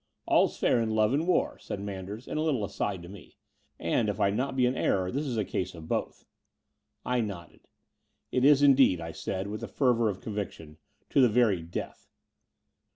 ''All's fair in love and war," said Manders in a little aside to me; "and, if I be not in error, this is a case of both." I nodded. "It is indeed," I said with the fervour of con viction — "to the very death."